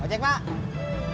oh jak mak